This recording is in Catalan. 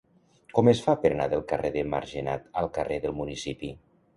Com es fa per anar del carrer de Margenat al carrer del Municipi?